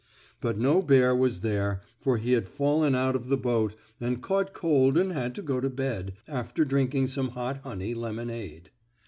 But no bear was there, for he had fallen out of the boat and caught cold and had gone to bed, after drinking some hot honey lemonade.